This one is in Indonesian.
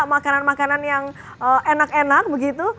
makanan makanan yang enak enak begitu